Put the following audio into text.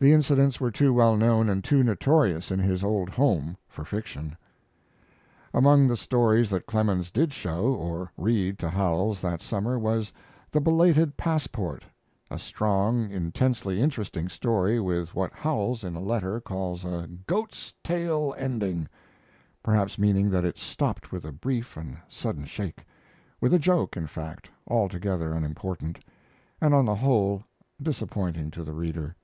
The incidents were too well known and too notorious in his old home for fiction. Among the stories that Clemens did show, or read, to Howells that summer was "The Belated Passport," a strong, intensely interesting story with what Howells in a letter calls a "goat's tail ending," perhaps meaning that it stopped with a brief and sudden shake with a joke, in fact, altogether unimportant, and on the whole disappointing to the reader.